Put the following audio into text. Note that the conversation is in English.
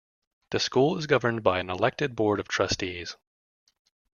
The school is governed by an elected Board of Trustees.